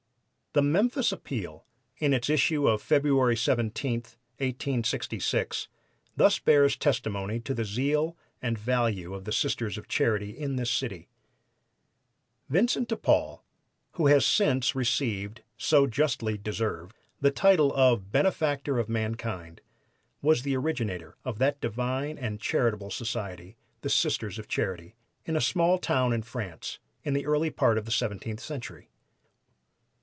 The Memphis Appeal, in its issue of February 17, 1866, thus bears testimony to the zeal and value of the Sisters of Charity in this city: "Vincent de Paul, who has since received, so justly deserved, the title of 'Benefactor of Mankind,' was the originator of that divine and charitable society, 'The Sisters of Charity,' in a small town of France, in the early part of the seventeenth century.